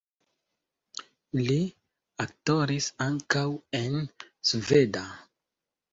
Li aktoris ankaŭ en sveda.